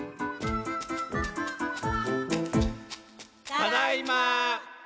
ただいま！